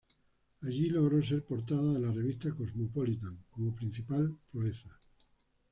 Allí logró ser portada de la revista "Cosmopolitan" como principal proeza.